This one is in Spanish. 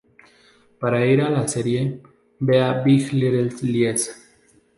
Para ir a la serie, vea" Big Little Lies.